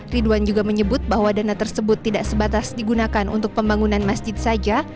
ridwan juga menyebut bahwa dana tersebut tidak sebatas digunakan untuk pembangunan masjid saja